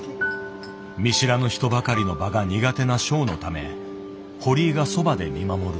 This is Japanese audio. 見知らぬ人ばかりの場が苦手なショウのため堀井がそばで見守る。